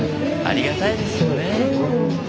ありがたいですよね。